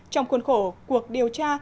trong khuôn khổ cuộc điều tra